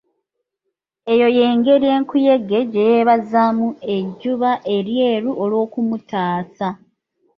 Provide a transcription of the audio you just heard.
Eyo y'engeri enkuyege gye yebazaamu ejjuba eryeru olw'okumutaasa.